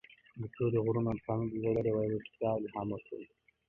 د تورې غرونو افسانه د زړه ورتیا الهام ورکوي.